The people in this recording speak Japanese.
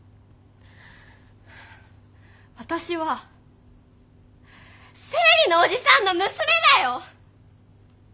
私は生理のおじさんの娘だよ！